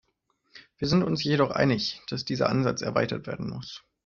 Wir sind uns jedoch einig, dass dieser Ansatz erweitert werden muss.